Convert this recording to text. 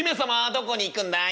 どこに行くんだい？